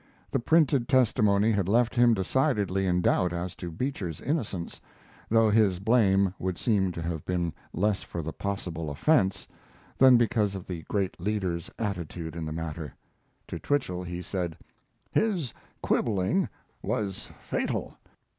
The printed testimony had left him decidedly in doubt as to Beecher's innocence, though his blame would seem to have been less for the possible offense than because of the great leader's attitude in the matter. To Twichell he said: "His quibbling was fatal.